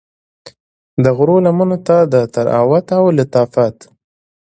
د غرو لمنو ته د طراوت او لطافت